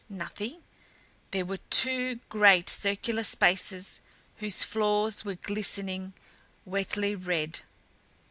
Nothing? There were two great circular spaces whose floors were glistening, wetly red.